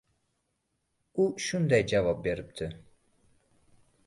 U shunday javob beribdi: